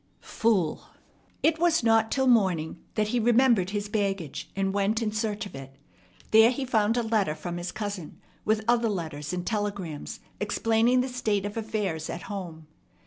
Fool!" It was not till morning that he remembered his baggage and went in search of it. There he found a letter from his cousin, with other letters and telegrams explaining the state of affairs at home.